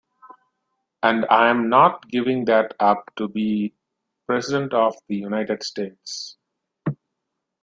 And I'm not giving that up to be President of the United States.